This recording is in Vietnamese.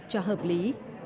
cho hợp lý